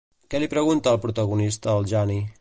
Què li pregunta el protagonista al Jani?